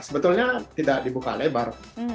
sebetulnya tidak dibuka lebar